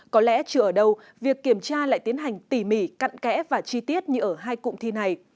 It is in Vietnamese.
có lẽ trừ ở đâu việc kiểm tra lại tiến hành tỉ mỉ cạn kẽ và chi tiết như ở hai cụm thi này